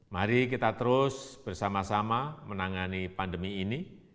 mari kita terus bersama sama menangani pandemi ini